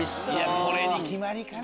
これに決まりかな。